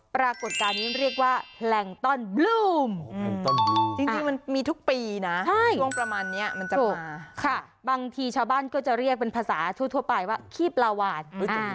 ปรากฏการณ์นี้เรียกว่าแพลงต้อนบลูมจริงมันมีทุกปีนะช่วงประมาณนี้มันจะหมดค่ะบางทีชาวบ้านก็จะเรียกเป็นภาษาทั่วไปว่าขี้ปลาวาน